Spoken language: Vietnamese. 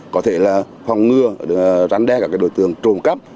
có thể là phòng ngừa rắn đe các đối tường trồn cắp